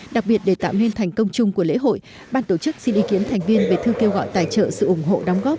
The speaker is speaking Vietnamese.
đặc biệt để tạo nên thành công chung của lễ hội ban tổ chức xin ý kiến thành viên về thư kêu gọi tài trợ sự ủng hộ đóng góp